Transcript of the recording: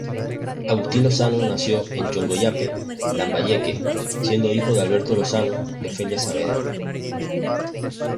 Agustín Lozano nació en Chongoyape, Lambayeque, siendo hijo de Alberto Lozano y Ofelia Saavedra.